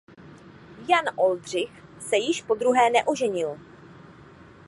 Jan Oldřich se již podruhé neoženil.